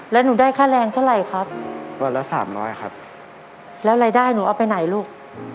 แล้วหนูได้ค่าแรงเท่าไหร่ครับวันละสามร้อยครับแล้วรายได้หนูเอาไปไหนลูก